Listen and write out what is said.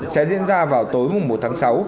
sẽ diễn ra vào tối mùng một tháng